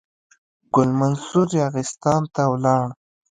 ګل منصور یاغستان ته ولاړ.